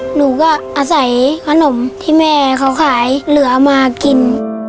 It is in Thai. หนูก็อาศัยขนมที่แม่เขาขายเหลือมากิน